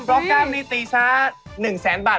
บล็อคกั้มบล็อคกั้มนี่ตีช้า๑๐๐๐๐๐บาท